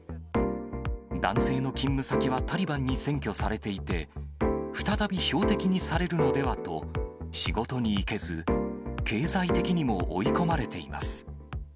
男性の勤務先はタリバンに占拠されていて、再び標的にされるのではと、仕事に行けず、経済的にも追い込まれています。